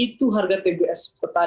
itu harga tbs pertama